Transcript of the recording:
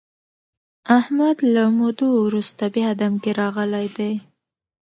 احمد له مودو ورسته بیا دم کې راغلی دی.